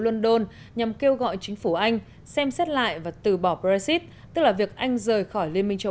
london nhằm kêu gọi chính phủ anh xem xét lại và từ bỏ brexit tức là việc anh rời khỏi liên minh châu